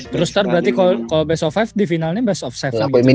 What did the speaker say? terus tar berarti kalo best of lima di finalnya best of tujuh gitu kan